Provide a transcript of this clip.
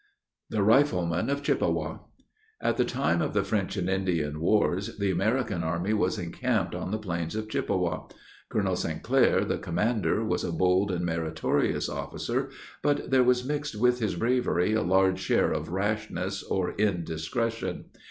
THE RIFLEMAN OF CHIPPEWA. At the time of the French and Indian wars, the American army was encamped on the plains of Chippewa. Colonel St. Clair, the commander, was a bold and meritorious officer; but there was mixed with his bravery a large share of rashness or indiscretion.